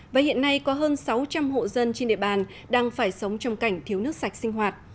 và hiện nay có hơn sáu trăm linh hộ dân trên địa bàn đang phải sống trong cảnh thiếu nước sạch sinh hoạt